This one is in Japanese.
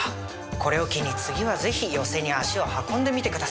これを機に次は是非寄席に足を運んでみて下さい。